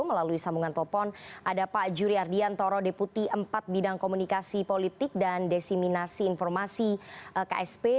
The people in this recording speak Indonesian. melalui sambungan telepon ada pak juri ardiantoro deputi empat bidang komunikasi politik dan desiminasi informasi ksp